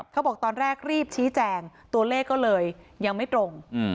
ตอนแรกรีบชี้แจงตัวเลขก็เลยยังไม่ตรง